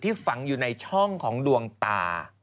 ฝังอยู่ในช่องของดวงตา